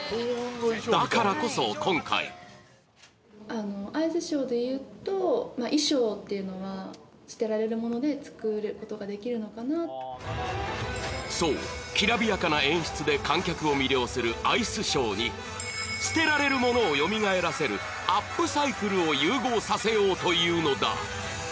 だからこそ、今回そう、きらびやかな演出で観客を魅了するアイスショーに捨てられるものをよみがえらせるアップサイクルを融合させようというのだ。